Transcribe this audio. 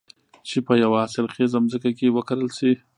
چې په يوه حاصل خېزه ځمکه کې وکرل شي.